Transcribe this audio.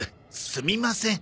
すみません。